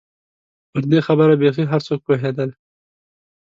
پر دې خبره بېخي هر څوک پوهېدل.